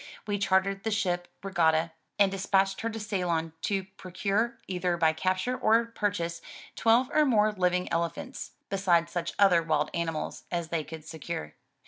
We chartered the ship Regatta, and despatched her to Ceylon to procure, either by capture or purchase, twelve or more living elephants, besides such other wild animals as they could secure.